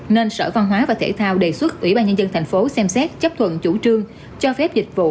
nên sở văn hóa và thể thao đề xuất ủy ban nhân dân thành phố xem xét chấp thuận chủ trương cho phép dịch vụ